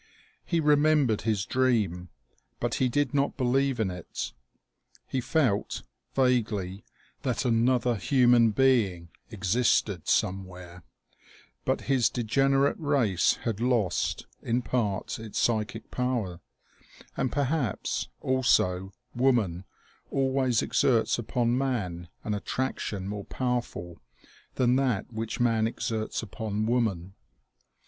He remembered his dream, but he did not believe in it. He felt, vaguely, that another human being existed somewhere ; but his degenerate race had lost, in part, its psychic power, and perhaps, also, woman always ex erts upon man an attraction more powerful than that which man exerts upon woman.